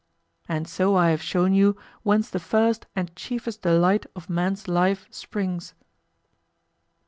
And so I have shown you whence the first and chiefest delight of man's life springs.